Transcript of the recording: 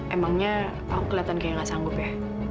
emangnya aku kelihatan kayak gak sanggup ya